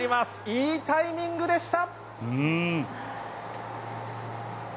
いいタイミングでした。